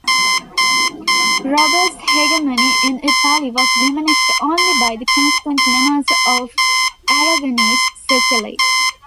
Robert's hegemony in Italy was diminished only by the constant menace of Aragonese Sicily.